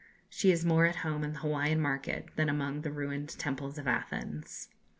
She is more at home in the Hawaiian market than among the ruined temples of Athens.